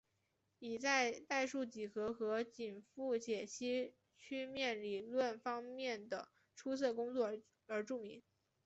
以在代数几何和紧复解析曲面理论方面的出色工作而著名。